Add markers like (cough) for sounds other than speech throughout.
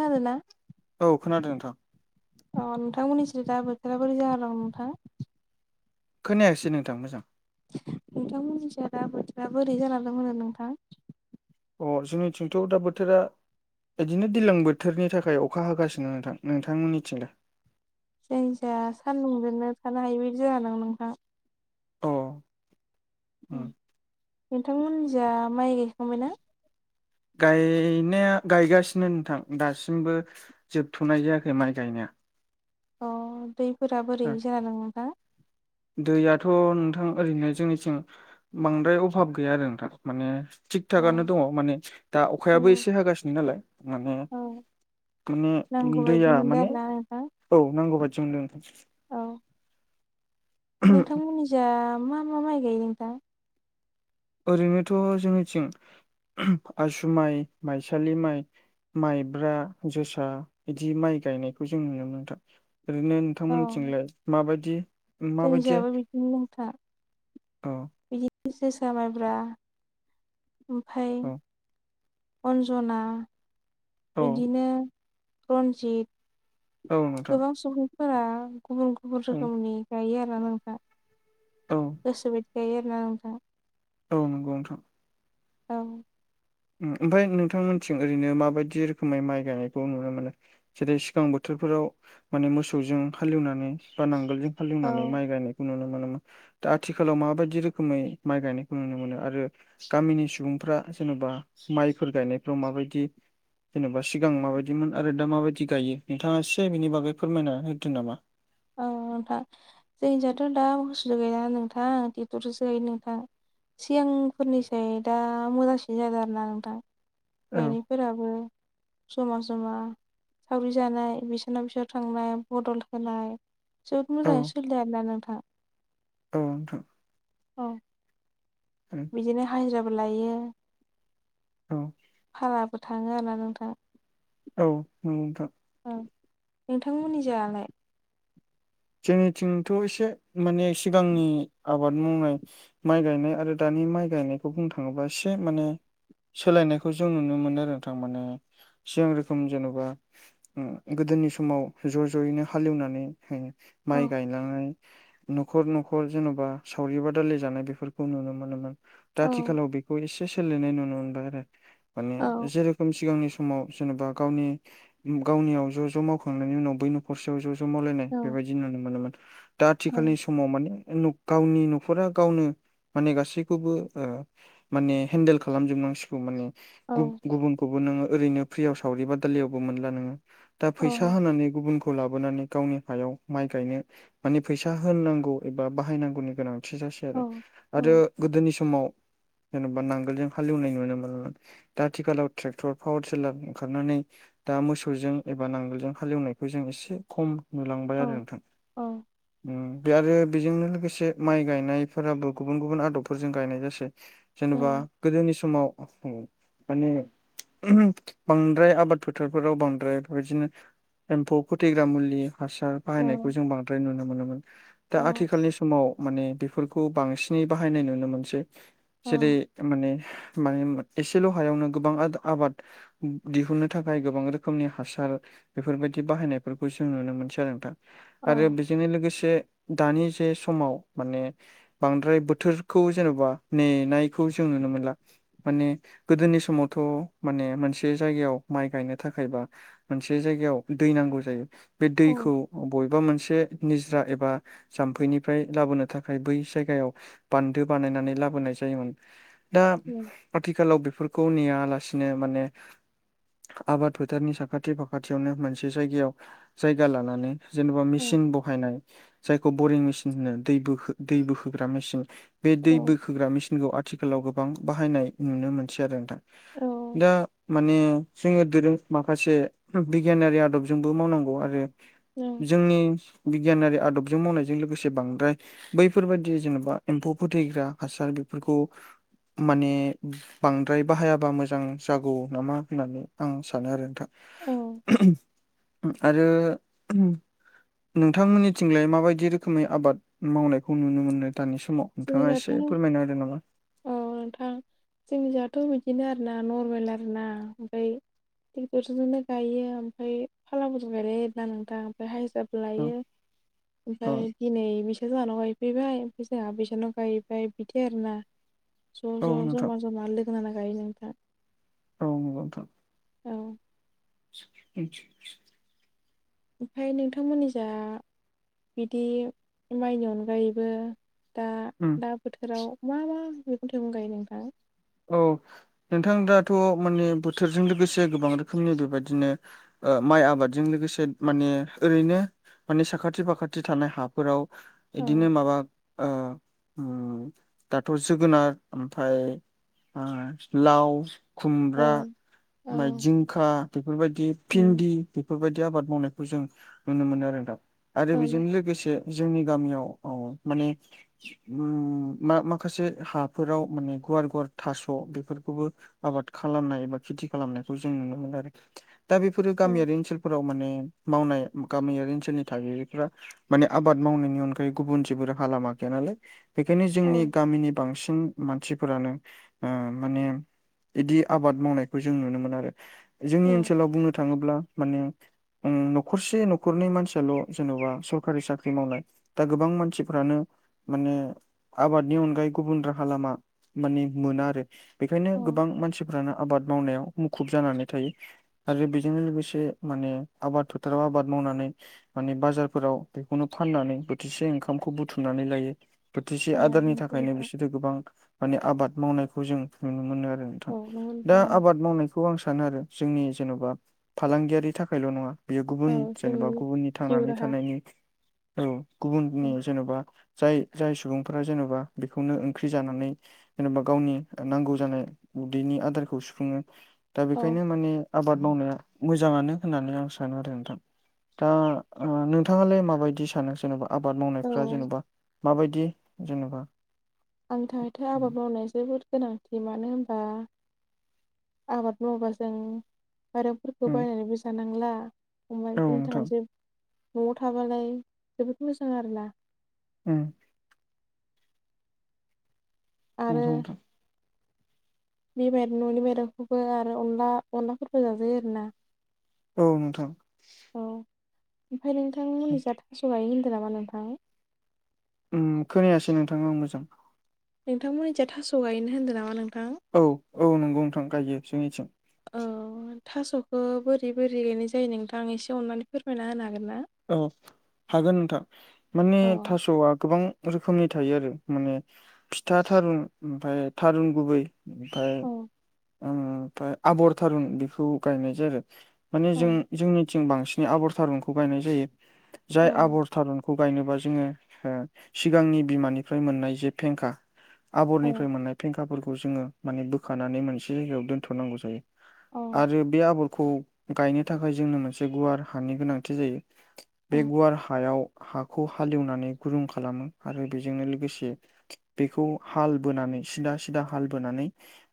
आरो ना। औ खोनादों नोंथां। अ नोंथांमोननिसोरो दा बोथोरा बोरै जाहा दं नोंथां? खोनायाखासै नोंथां मोजां (unintelligible) नोंथां मिथिया दा बोथोरा बोरै (unintelligible) नोंथां अ जोंनिथिंथ' दा बोथोरा बिदिनो दिलां बोथोरनि थाखाय अखा होगासिनो नोंथां नोंथांमोननिथिंलाय जायनिजाया सान्दुंजोंनो थानो हायि बायदि (unintelligible) नोंथां औ उम नोंथांमोनजा माइ गायखांबायना? गायनाया गायगासिनो नोंथां दासिमबो जोबथ'नाय जायाखै माइ गायनाया अ दैफोरा ओ बोरै जारो नोंथा दैयाथ' नोंथां ओरैनो जोंनिथिं बांद्राय अभाब गैया आरो नोंथां माने थिग अ थकनो दङ माने दा अखायाबो औ इसे हागासिनो नालाय माने औ नांगौ माने बायदि दैया मोनदों माने आरोना नोंथां औ नांगौ बायदि मोनदों औ नोंथां मोननिजा मा मा माइ गायो नोंथां ओरैनोथ' जोंनिथिं (unintelligible) आसु माइ माइसालि माइ माइब्रा जोसा इदि माइ गायनायखौ जों नुनो मोन नोंथा ओरैनो औ थांमोनथिंलाय माबादि माबादि जोंनिजाबो बिदिनो नोंथां (inaudible) औ बिदिनो जोसा माइब्रा ओमफाय औ अन्ज'ना औ इदिनो रन्जित औ नोंथां गोबां सुबुंफोरा गुबुन गुबुन औ रोखोमनि गायो आरो नोंथां गोसो बायदि गायो आरोना नोंथां औ नोंगौ नोंथां औ ओमफाय नोंथांमोनथिं ओरैनो माबायदि रोखोमै माइ गायनायखौ नुनो मोनो जेरै सिगां बोथोरफोराव माने मोसौजों हालेवनानै बा नांगोल जों औ हालिवनानै माइ गायनायखौ नुनो मोनो मोन दा आथिखालाव माबायदि रोखोमै माइ गायनायखौ नुनो मोनो आरो गामिनि सुबुंफ्रा जेनेबा माइफोर गायनायफ्राव माबायदि जेनेबा सिगां माबायदिमोन आरो दा माबायदि गायो नोंथाङा इसे बिनि बागै फोरमायना होदो नामा औ नोंथां जोंनिजाथ' दा बुस्थु गायला नोंथां ट्रेक्टरजोंसो गायो नोंथां सिगांफोरनिसै दा मोजांसिन जादों आरो ना नोंथां औ (unintelligible) फोराबो जमा जमा सावरि जानाय बिसोरनाव बिसाव थांनाय बदल होनाय जोब औ मोजाङै सोलियो आरोना नोंथाङा औ नोंथां औ (unintelligible) बिदिनो हाजिराबो लायो औ भाराबो थाङो आरोना नोंथां औ नोंगौ नोंथां औ नोंथांमोननिजायालाय जोंनिथिंथ' एसे माने सिगांनि आबाद मावनाय माइ गायनाय आरो दानि माइ गायनायखौ बुंनो थाङोबा एसे माने सोलायनायखौ जों नुनो मोनो आरो थारमाने सिगां रोखोम जेन'बा गोदोनि समाव ज' ज'यैनो हालिवनानै औ माइ गायलांनाय न'खर न'खर जेन'बा सावरि बादालि जानाय बेफोरखौ नुनो मोनोमोन दा औ आथिखालाव बिखौ इसे सोलिनाय नुनो मोनबाय आरो माने औ जेरेखम सिगांनि सम समाव जेनेबा गावनि गावनियाव ज' ज' मावखांनायनि उनाव बै न'खर से आव ज' ज' मावलायनाय औ बेबायदि नुनो मोनोमोन दा औ आथिखालनि सम समाव माने नुख गावनि न'खरा गावनो माने गासिखौबो ओ माने हेन्देल खालामजोबनांसिगौ माने औ गुबुनखौबो नोङो ओरैनो फ्रियाव सावरि बादालियावबो मोनला नोङो दा औ फैसा होनानै गुबुनखौ लाबोनानै गावनि हायाव माइ गायनो माने फैसा होननांगौ एबा बाहायनांगौनि गोनांथि जासै औ आरो। औ आरो गोदोनि समाव जेनेबा नांगोलजों हालेवनाय नुनो मोनोमोन दा आथिखालाव ट्रेक्टर पावार टिलार ओंखारनानै दा मोसौजों एबा नांगोलजों हालेवनायखौ जों एसे खम औ नुलांबाय आरो नोंथां औ बे आरो बेजोंनो लोगोसे माइ गायनायफोराबो गुबुन गुबुन आदबफोरजों गायनाय जासै औ जेनेबा गोदोनि समाव माने ओहोम बांद्राय आबाद फोथारफोराव बांद्राय बेबायदिनो एम्फौ खथैग्रा मुलि हासार औ बाहायनायखौ जों बांद्राय नुनो मोनोमोन। दा आथिखालनि समाव माने बेफोरखौ बांसिनै बाहायनाय नुनो मोनसै। जेरै- माने माने एसेल' हायावनो गोबां आबाद दिहुननो थाखाय गोबां रोखोमनि हासार बेफोरबायदि बाहायनायफोरखौ जों नुनो मोनसै नोंथां औ आरो बेजोंनो लोगोसे दानि जे समाव माने बांद्राय बोथोरखौ जेन'बा नेनायखौ जों नुनो मोनला माने गोदोनि समावथ' माने मोनसे जायगायाव माइ गायनो थाखायबा मोनसे जायगायाव दै नांगौ जायो बे औ दैखौ बबेबा मोनसे निजरा एबा जाम्फैनिफ्राय लाबोनो थाखाय बै जायगायाव बान्दो बानायनानै लाबोनाय जायोमोन दा आथिखालाव बेफोरखौ नेयालासिनो माने आबाद फोथारनि साखाथि फाखाथियावनो मोनसे जायगायाव जायगा लानानै जेन'बा मेसिन बहायनाय जायखौ बरिं मेचिन होनो दै बो दै बोहोग्रा मेसिन बे दै बोखोग्रा मेसिनखौ आथिखालाव गोबां बाहायनाय नुनो मोनसै आरो नोंथां। औ दा माने जोंङो माखासे बिगियानारि आदबजोंबो मावनांगौ आरो जोंनि बिगियानारि आदबजों मावनायजों लोगोसे बांद्राय बैफोरबायाददि जेन'बा एम्फौ फोथैग्रा हासार बेफोरखौ माने बांद्राय बाहायाबा मोजां जागौ नामा होननानै आं सानो आरो नोंथां। आरो (inaudible) नोंथांमोननिथिंलाय माबायदि रोखोमै आबाद मावनायखौ नुनो मोनो दानि समाव? नोंथाङा (unintelligible) (unintelligible) अ नोंथां जोंनि जाथ' बिदिनो आरोना नरमेल आरोना ओमफ्राय ट्रेक्टरजोंनो गायो ओमफ्राय फाला बदल गायलायना नोंथां ओमफ्राय हायज्रा औ लायो औ ओमफ्राय दिनै बिसा जोंहानाव गायफैबाय ओमफ्राय जोंहा बेैसानाव गायबाय बिदि आरोना ज' औ ज' नोंथां जमा जमा लोगो नांना गायो नोंथां औ नोंगौ नोंथां औ (inaudible) ओमफ्राय नोंथांमोननि जा बिदि माइनि अनगायैबो दा उ दा बोथोराव मा मा मैगं थाइगं गायो नोंथां? औ नोंथां दाथ' माने बोथोरजों लोगोसे गोबां रोखोमनि बेबायदिनो ओ माइ आबादजों लोगोसे माने ओरैनो माने साखाथि फाखाथि थानाय हाफोराव औ इदिनो माबा ओ दाथ' जोगोनार ओमफफ्राय ओ लाव, औ खुमब्रा ओमफ्राय जिंखा बेफोरबायदि उम भिन्दि बेफोरबायदि आबाद मावनायखौ जों नुनो मोनो आरो नोंथां आरो औ बेजों लोगोसे जोंनि गामियाव औ माने उम मा-माखासे हाफोराव माने गुवार गुवार थास' बेफोरखौबो आबाद खालामनाय एबा खेथि खालामनायखौ जों नुनो मोनो आरो दा बे बेफोरो औ गामियारि ओनसोलफोराव माने मावनाय गामियारि ओनसोलनि थागिबिफोरा माने आबाद मावनायनि अनगायै गुबुन जेबो राहा लामा गैया नालाय बेखायनो औ जोंनि गामिनि बांसिन मानसिफोरानो ओ माने बिदि आबाद मावनायखौ जों नुनो मोनोआरो जोंनि औ ओनसोलाव बुंनो थाङोब्ला माने उम न'खरसे न'खरनै मानसियाल' जेन'बा सरखारि साख्रि मावनाय दा गोबां मानसिफ्रानो माने आबादनि अनगायै गुबुन राहा लामा माने मोना आर रो बेखायनो औ गोबां मानसिफ्रानो आबाद मावनायाव मुखुब जानानै थायो आरो बेजोंनो लोगोसे माने आबाद फोथाराव आबाद मावनानै माने बाजारफोराव बेखौनो फाननानै बोथिसे ओंखामखौ बुथुमनानै लायो बोथिसे औ आदारनि नंगौ थाखायनो नोंथां। बिसोरो गोबां माने आबाद मावनायखौ जों नुनो मोनोआरो औ नंगौ दा नोंथां औ। आबाद मावनायखौ आं सानोआरो जोंनि जेन'बा फालांगियारि थाखायल' नङा बेयो गुबुन औ जेनेबा जोंनि गुबुननि जिउ थांनानै राहा थानायनि औ गुबुननि औ जेनेबा जाय जाय सुबुंफोरा जेन'बा बेखौनो ओंख्रि जानानै जेन'बा गावनि नांगौ जानाय उदैनि आदारखौ सुफुङो दा औ बेखायनो माने आबाद मावनाया मोजाङानो होननानै आं सानो आरो नोंथां दा ओ नोंथाङालाय माबायदि सानो जेन'बा आबाद मावनायफ्रा जेनेबा माबायदि जेनेबा आंनि थाखायथाय' आबाद मावनाय जोबोद गोनांथि मानो होनबा आबाद मावोबा जों आरोब फोरखौ बायनानैबो जानांला होमबा औ जोंनि नोंथां थाखायसो न'आव थाबालाय जोबोद मोजां आरोना उम नोंगौ आरो नोंथां बे बाइ न'नि माइरंखौबो आरो अनला अनलाफोरबो जाजायो आरोना औ नोंथां औ ओमफ्राय नोंथां मुलिजाथ थास' गायो होनदों नामा नोंथां उम खोनायासै नोंथां आं मोजां नोंथां मुलिजा थास' गायनो होन्दों नामा नोंथां औ औ नंगौ नोंथां गायो जोंनिथिं औ थास'खौ बोरै बोरै गायनाय जायो नोंथां आं एसे अननानै फोरमायना होनो हागोन ना औ हागोन नोंथां माने औ थास'आ गोबां रोखोमनि थायो आरो माने फिथा थारुन ओमफ्राय थारुन गुबै ओमफ्राय औ ओमफ्राय आबर थारुन बेखौ गायनाय जायो आरो माने जों औ जोंनिथिं बांसिनै आबर थारुनखौ गायनाय जायो औ जाय आबर थारुनखौ गायनोबा जोङो सिगांनि बिमानिफ्राय मोननाय जे फेंखा औ आबरनिफ्राय मोननाय फेंखाफोरखौ जोङो माने बोखानानै मोनसे जायगायाव दोनथ'नांगौ जायो औ आरो बे आबरखौ गायनो थाखाय जोंनो मोनसे गुवार हानि गोनांथि जायो औ बे गुवार हायाव हाखौ हालेवनानै गुरुं खालामो आरो बेजोंनो लोगोसे बेखौ हाल बोनानै सिदा सिदा हाल बोनानै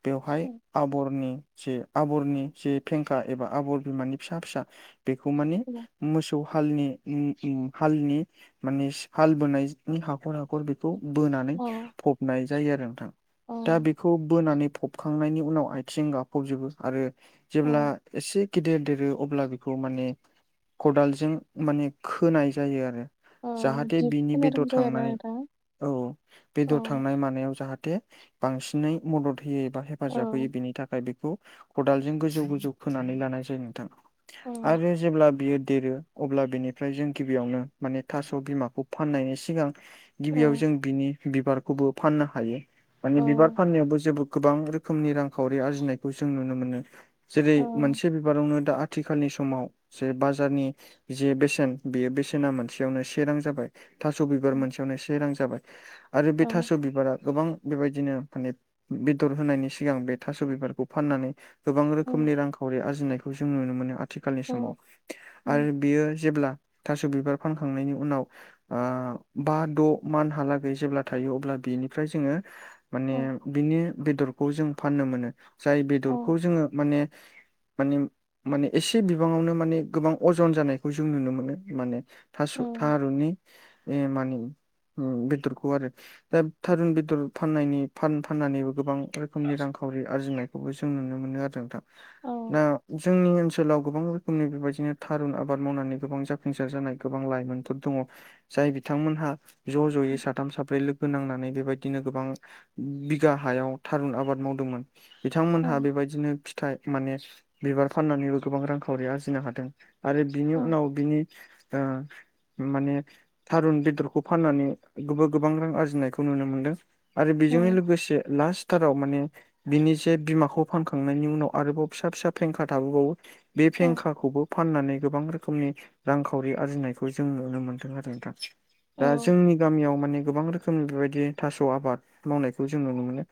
बेवहाय आबरनि जे आबरनि जे फेंखा एबा आबर बिमानि फिसा फिसा बेखौ मानि मोसौ हालनि उम उम हालनि माने हाल बोनायनि हाखर हाखर बे खौ बोनानै फबनाय जायो आरो नोंथां औ दा बेखौ बोनानै फब होबखांनायनि उनाव आथिं गाफबजोबो आरो औ जेब्ला एसे गिदेर देरो अब्ला बेखौ माने खदालजों माने खोनाय जायो आरो औ जाहाथे दिप बिनि होनाय रखम बेदर जायो आरोना थांनाय नोंथां औ औ बेदर थांनाय मानायाव जाहाथे बांसिनै मदद होयो एबा औ हेफाजाब होयो बेनि थाखाय बेखौ खदालजों गोजौ गोजौ खोनानै लानाय जायो नोंथां औ आरो जेब्ला बियो देरो अब्ला बेनिफ्राय जों गिबियावनो माने थास' बिमाखौ फाननायनि सिगां औ गिबियाव जों बिनि बिबारखौबो फाननो हायो औ माने बिबार फाननायावबो जेबो गोबां रोखोम रोखोमनि रांखावरि आरजिनायखौ जों नुनो मोनो जेरै मोनसे बिबारावनो दा आथिखालनि समाव जे बाजारनि जे बेसेन बे बेसेना मोनसेयावनो से रां जाबाय थास' बिबार मोनसेयावनो से रां जाबाय आरो बे थास' बिबारा गोबां बेबायदिनो माने बेदर होनायनि सिगां बे थास' बिबारखौ फाननानै गोबां औ रोखोमनि रांखौ खावरि आरजिनायखौ जों नुनो मोनो आथिखालनि समाव औ आरो बियो जेब्ला थास' बिबार फानखांनायनि उनाव ओ बा द' मान्ट हालागै जेब्ला थायो अब्ला बिनिफ्राय जोङो माने औ बिनि बेदरखौ जों फाननो मोनो जाय ओं बेदरखौ जोङो माने माने माने एसे बिबाङावनो माने गोबां अजन जानायखौ जों नुनो मोनो माने थास' थारुननि मानि बेदरखौ आरो दा थारुन बेदर फाननायनि फाननानैबो गोबां रोखोमनि रांखावरि आरजिनायखौबो जों नुनो मोनो आरो नोंथां ओं दा जोंनि ओनसोलाव गोबां रोखोमनि बेबायदि बिदिनो थारुन आबाद मावनानै गोबां जाफुंसार जानाय गोबां लाइमोनफोर दङ जाय बिथांमोनहा ज' ज'यै साथाम साब्रै लोगो नांनानै बेबायदिनो गोबां बिगा हायाव थारुन आबाद मावदोंमोन बिथांमोनहा बेबायदिनो फिथाइ माने बिबार फाननानैबो गोबां रांखावरि आरजिनो हादों आरो बिनि उनाव बिनि माने थारुन बेदरखौ फाननानै गोब गोबां रां आरजिनायखौ नुनो मोनदों आरो बेजोंनो लोगोसे लास्ट टाराव माने बिनि जे बिमाखौ फानखांनायनि उनाव आरोबाव फिसा फिसा फेंखा थाबोबावो बे फेंखाखौबो फाननानै गोबां रोखोमनि रांखावरि आरजिनायखौ जों नुनो मोन्दों आरो नोंथां दा जोंनि गामियाव माने गोबां रोखोम रोखोमनि बेबायदि थास' आबाद मावनायखौ जों नुनो मोनो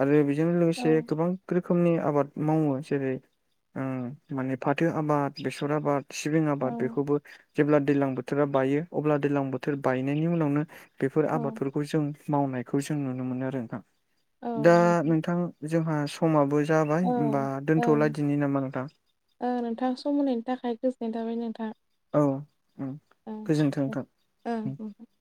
आरो बेजों लोगोसे गोबां रोखोमनि आबाद मावो जेरै माने फाथो आबाद बेसर आबाद सिबिं आबाद बेखौबो जेब्ला दैज्लां बोथोरा बायो अब्ला दैज्लां बोथोर बायनायनि उनावनो बेफोर आबादफोरखौ जों मावनायखौ जों नुनो मोनो आरो नोंथां दा नोंथां जोंहा समाबो जाबाय होनोमबा दोनथ'लादिनि नामा नोंथां नोंथां सम होनायनि थाखाय गोजोननाय थाबाय नोंथां औ ओं गोजोन्थोंथों (inaudible)